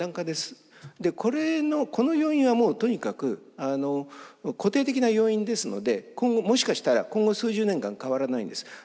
でこれのこの要因はもうとにかく固定的な要因ですので今後もしかしたら今後数十年間変わらないんです。